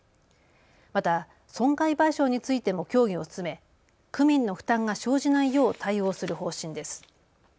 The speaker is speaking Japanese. また損害賠償についても協議を進め、区民の負担が生じないよう対応する方針です。